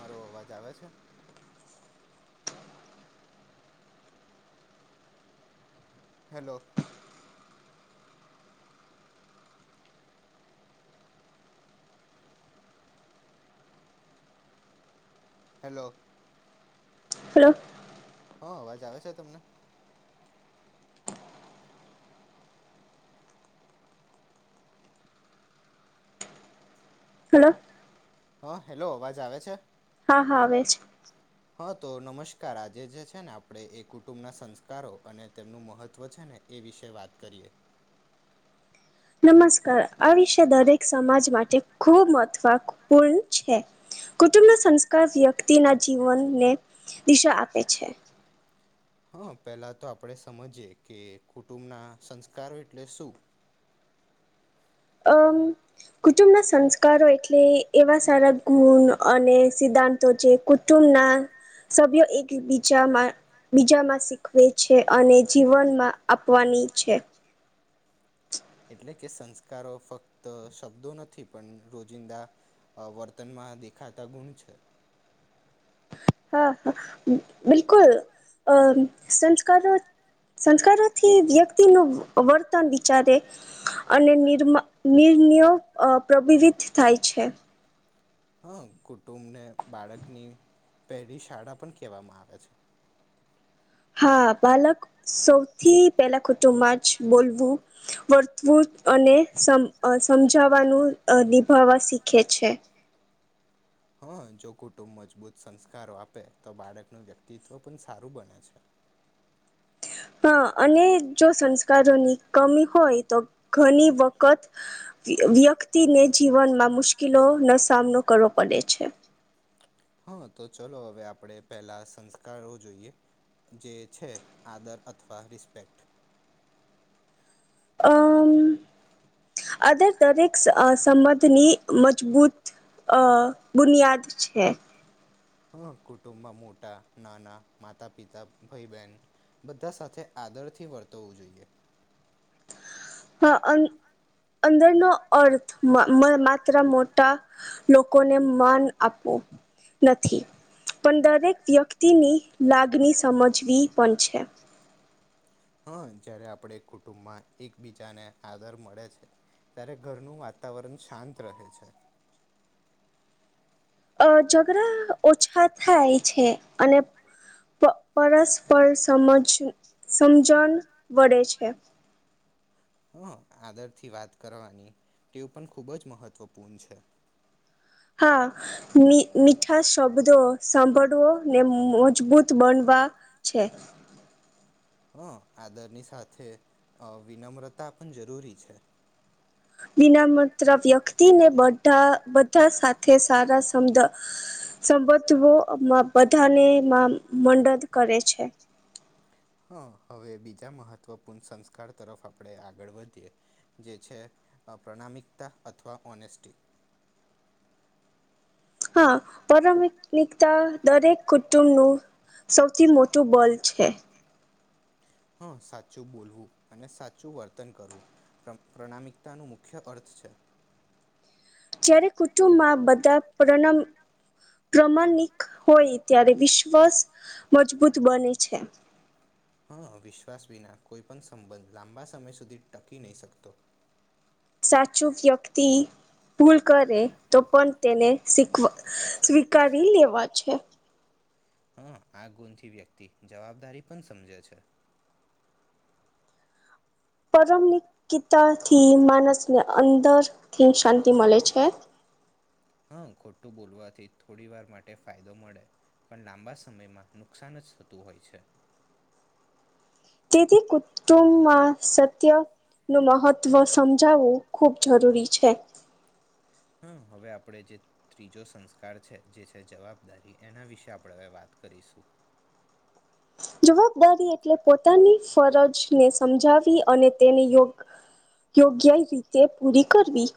મારો અવાજ આવે છે? હલો હેલો હલો હા, અવાજ આવે છે તમને? હેલો હા, હેલો અવાજ આવે છે? હા હા આવે છે, હા, તો નમસ્કાર આજે જે છે ને આપણેે એ કુટુંબના સંસ્કારો અને તેમનું મહત્વ છે, ને એ વિશે વાત કરીએ, નમસ્કાર આ વિષ દરેક સમાજ માટે ખૂબ મહત્વપૂર્ણ છે, કુટુંબના સંસ્કાર વ્યક્તિના જીવનને દિશા આપે છે. [unintelligible] હા, પેલા તો આપણે સમજીયએ કે કુટુંબના સંસ્કારો એટલે શું? [unintelligible] અ કુટુંબ ના સંસ્કારો એટલે એવા સારા ગુણ અને સીધા સિદ્ધાંતો છે, કુટુંબના સભ્યો એકબીજામાં બીજામાં શીખવે છે, અને જીવનમાં આપવાની છે. [unintelligible] એટલે કે સંસ્કારો ફક્ત શબ્દો નથી, પણ રોજિંદા વર્તનમાં મા દેખાતા ગુણ છ હા હા બિલકુલ અમ સંસ્કાર સંસ્કારોથી વ્યક્તિનું વર્તન વિચારે અને નિર્ નિર્નયો પ્રભવિત થાય છે. હુમ કુટુંબ ને બાળકની પહેલી શાળા પણ કેવામાં આવે છે. હા બાલક સૌથી પેલા કુટુંબમાં જ બોલવું વર્તવું અને સમ સમજાવાનું નિભાવવા શીખે છે. હા જો કુટુંબ મજબૂત સંસ્કારો આપે તો બાળકનું વ્યક્તિત્વ પણ સારું બને છે. [inaudible] હા અને જો સંસ્કારોની કમી હોય તો ઘણી વખત વ્યક્તિને જીવનમાં મુશ્કેલોનો સામનો કરવો પડે છે. હા તો ચલો હવે આપણેે પેલા સંસ્કારો જોઈએ જે છે આદર અથવા રિસ્પેક્ટ અમ અદર દરેક સંબંધની મજબૂત અ બુનિયાદ છે. હા કુટુંબમાં મોટા નાના માતા પિતા ભાઈ બહેન બધા સાથે આદર થી વર્તવવું જોઈએ હા અ અંદરનો અર્થ માત્ર મોટા લોકોને માન આપવું નથી પણ દરેક વ્યક્તિની લાગણી સમજ વી પંન. છે હ જયારે આપડે કુટુંબમાં એકબીજાને આદર મળે છે ત્યારે ઘરનું વાતાવરણ શાંત રહે છે. અ ઝઘડા ઓછા થાય છે અને પરસ્પર સમજ સમજણ મળે છે. [inaudible] હ આદર થી વાત કરવાની તેવું પણ ખૂબ જ મહત્વપૂર્ણ છે. હા મીઠા શબ્દ સાંભળ સાભ ને મજબૂત બનવા છે. હ આદરની સાથે વિનમ્રતા પણ જરૂરી છે. વિનમમાત્ર વ્યક્તિને બધા બધા સાથે સારા શમદ સંબત્વોમાં બધાને મડન કરે છે. હા હવે બીજા મહત્વપૂર્ણ સંસ્કાર તરફ આપણે આગળ વધીએ જે છે. પ્રણાામિકતા અથવા ઓનેસ્ટી હા પરમિકતા દરેક કુટુંબનું સૌથી મોટું બલ છે હા સાચું બોલવું અને સાચું વર્તન કરવું પ્રણામિકતા ન મુખ્ય અર્થ છે જય્યારે કુટુંબમાં બધા પ્રણ પ્રમાણિક હોય ત્યારે વિશ્્વાસ મજબૂત બને છે. હા વિશ્વાસ વિના કોઈ પણણ સંબંધ લાંબા સમય સુધી ટકી નહી શકતો સાચું વ્યક્તિ ભૂલ કરે તો પણ તેને શીખવા સ્વીકારી લેવા છે. હા આ ગુણથી વ્યક્તિ જવાબદારી પણ સમજે છે. પરમની કીતાથી માનસને અંદર થીિ શાંતિ મળે છે. હા ખોટું બોલવાથી થોડી વાર માટે ફાયદો મળે પણ લાંબા સમયમાં નુકસાન જ થતું હોય છે તેથી કુતુંમાં સત્ય નું મહત્ત્વ સમજાવવું ખૂબ જરૂરી છે. હા હવે આપણેે જે ત્રીજો સંસ્કાર છે જે છે જવાબદારી એના વિશે આપણે હવે વાત કરીશું. જવાબદારી એટલે પોતાની ફરજને સમજાવી અને તેને યોગ યોગ્ય રીતે પૂરી કરવી.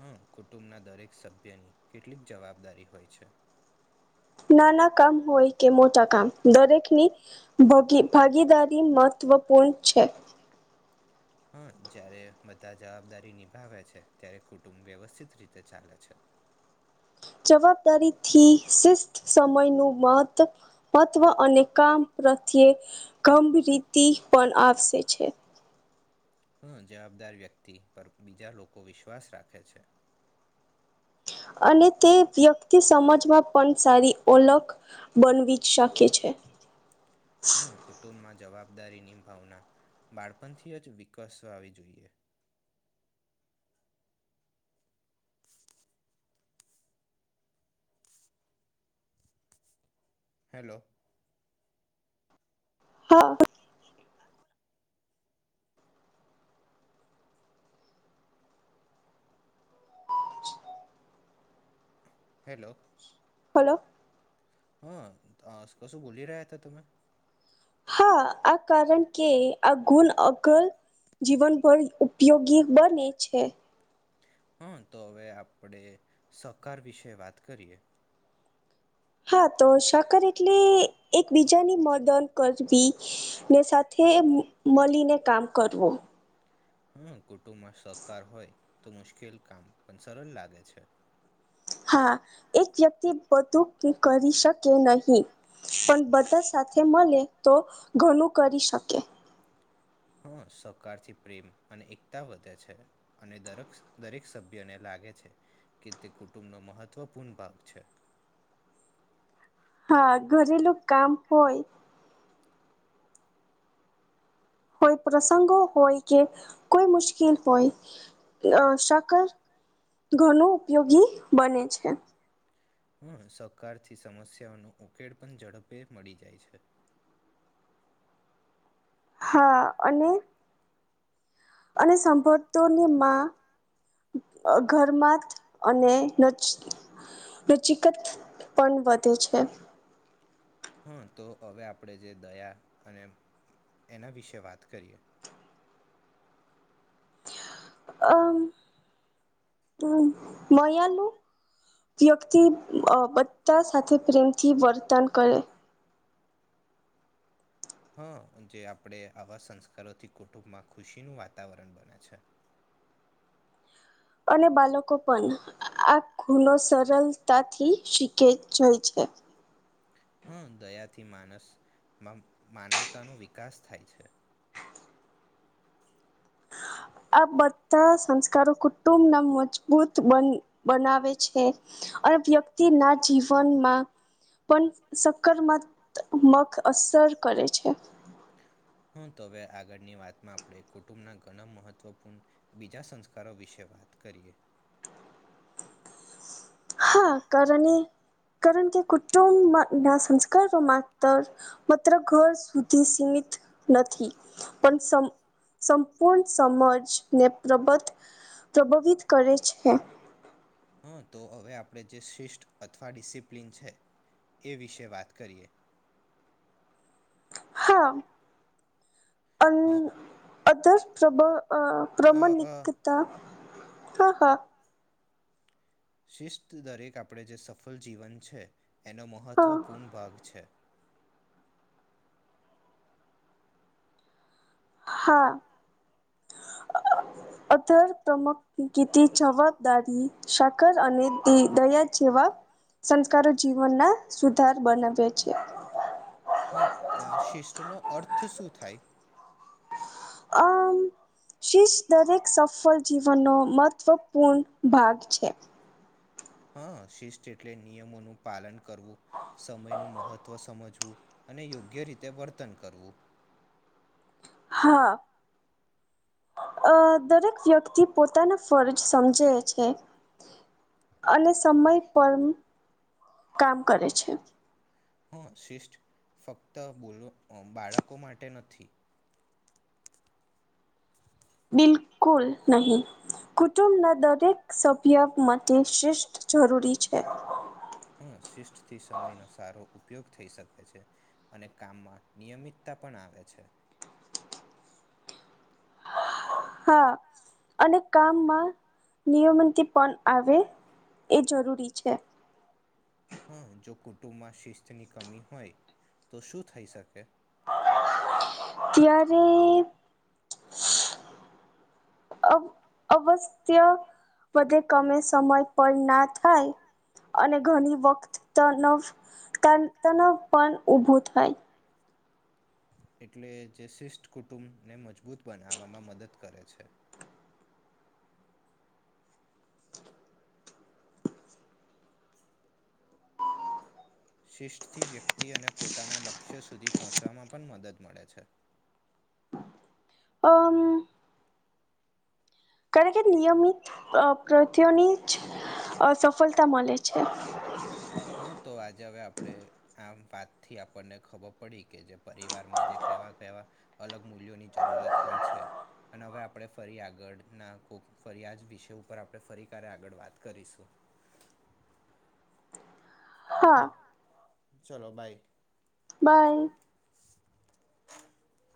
હમ્મ, કુટુંબના દરેક સભ્યની કેટલીક જવાબદારી હોય છે. નાના કામ હોય કે મોટા કામ દરેકની ભગી ભાગીદારી મહત્વપૂર્ણ છે. હા, જ્યારે બધા જવાબદારી નિભાવે છે ત્યારે કુટુંબ વ્યવસ્થિત રીતે ચાલે છે. [inaudible] જવાબદારીથી શિસ્ત સમયનું મહત મહત્વ અને કામ પ્રત્યે ગંભીરતિ પણ આપશે. છે. હમ્મ, જવાબદાર વ્યક્તિ પર બીજા લોકો વિશ્વાસ રાખે છે. હ અને તે વ્યક્તિ સમજમાં પણ સારી ઓલખ બનવી શકે છે. હમ્મ, કુટુંબમાં જવાબ વાબદારી ની ભાવના બાળપણથી જ વિકસવા આવી જોઈએ. હેલો. હા. હેલો. હાલો. હા અ કશું બોલી રહ્યા હતા તમે? હા, આ કારણ કે આ ગુણ અગલ જીવનભર ઉપયોગી બને છે. હા, તો હવે આપડે સહકાર વિશે વાત કરીએ. હા, તો શાકર એટલે એકબીજાની મદન કરવી ને સાથે મ મળીને કામ કરવો. હમ્મ, કુટુંબમાં સહકાર હોય તો મુશ્કેલ કામ પણ સરળ લાગે છે. હા, એક વ્યક્તિ બધું કરી શકે નહી. પણ બધા સાથે મળે તો ઘણું કરી શકે. હમ્મ. સહકારથી પ્રેમ અને એકતા વધે છે અને દરક દરેક સભ્યને લાગે છે કે તે કુટુંબનો મહત્વપૂર્ણ ભાગ છે. હા ઘરેલું કામ હોય હોય પ્રસંગો હોય કે કોઈ મુશ્કેલ હોય અ શકર ઘણું ઉપયોગી બને છે. હમ્મ, સહકાર થી સમસ્યાઓનો ઉકેલ પણ ઝડપે મળી જાય છે. હા અને અને સંભળતોની માં ઘરમાં જ અને ન ન ચીકટ પણ વધે છે. હા, તો હવે આપણેે જે દયા અને એના વિશે વાત કરીએ. [inaudible] અમ, મયાાલું વ્યક્તિ અ બધા સાથે પ્રેમથી વર્તન કરે [inaudible] હા, જે આપણે આવા સંસ્કારોથી કુટુંબમાં ખુશીનું વાતાવરણ બને છે. [inaudible] અને બાળકો પણ અ આ ગુનો સરળતાથી શીખે જાય છ [inaudible] હમ્મ, દયાથી માનસ માનવતાનો વિકાસ થાય છે. આ બધા સંસ્કારો કુટુંબ ના મજબૂત બન બનાવે છે. અને વ્યક્તિ ના જીવનમાં પણ સકરમાત્મક અસર કરે છે. હા તો હવે આગળની વાતમાં આપણે કુટુંબના ઘણા મહત્વપૂર્ણ બીજા સંસ્કારો વિશે વાત કરીએ. હા, કર ને. કારણ કે કુટુંબમાં માં સંસ્કારો માતર માત્ર ઘર સુધી ઘર સ [unintelligible] નથી, પણ સમ સંપૂર્ણ સમજને પ્રબત પ્રભાવિત કરે છે. હા તો હવે આપણે જે શિષ અથવા ડિસિપ્લિન છે એ વિશે વાત કરીએ. હા. હા. અધર પ્રબ અહ પ્રમનિકતા હા, હા શિસ્ત દરેક આપણે જે સફળ જીવન છે એનો મહત્ત્વપૂર્ણ ભાગ છે. હા. [inaudible] અતર [unintelligible] જવાબદારી સાકર અને દી દયજ તેવા સંસ્કારો જીવનના સુધાર બનાવે છે. હા અહ શિષ્ટ નો અર્થ શું થાય? અમ્મ શિષ્ટ દરેક સફળ જીવનનો મહત્વપૂર્ણ ભાગ છે. હા શિષ્ટ એટલે નિયમોનું પાલન કરવું, સમય નું મહત્વ સમજવું અને યોગ્ય રીતે વર્તન કરવું. હા. અહ દરેક વ્યક્તિ પોતાનો ફરજ સમજે છે. અને સમય પર કામ કરે છે. હા શિષ્ટ ફક્ત બોલો અહ બાળકો માટે નથી. બિલકુલ નહી. કુટુંબના દરેક સભ્ય માટે શિષ્ટ જરૂરી છે. હા શિષ્ટ થી સમયનો સારો ઉપયોગ થઈ શકે છે, અને કામમાં નિયમિતતા પણ આવે છે. હા અને કામમાં નિયમંતિ પણ આવે એ જરૂરી છે. હા જો કુટુંબમાં શિસ્તની કમી હોય તો શું થઈ શકે? ત્યારે અહ અવસ્થ્ય વધ કમે સમય પર ના થાય અને ઘણી વખત તનવ ત તનવ પણ ઉભું થાય. એટલે જે શિષ્ટ કુટુંબને મજબૂત બનાવવામાં મદદ કરે છે. શિષ્ટથી વ્યક્તિ અને પોતાના લક્ષ્ય સુધી પહોંચવામાં પણ મદદ મળે છે. [inaudible] અમ્મ કારણ કે નિયમિત અહ પ્રતિઓની જ અહ સફળતા મલે છે. હા તો આજે હવે આપણે આ વાતથી આપણને ખબર પડી કે જે પરિવારમાં જે કેવા-કેવા અલગ મૂલ્યોની જરૂરત હોય છે અને હવે આપણે ફરી આગળ ના કોક ફરી આ જ વિષ ઉપર આપણે ફરી ક્યારે આગળ વાત કરીશું. [inaudible] હા ચલો બાય. બાય. [inaudible]